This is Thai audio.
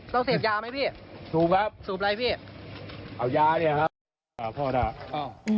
เราเสียบยาไหมพี่สูบครับสูบอะไรพี่เอายาเนี่ยครับ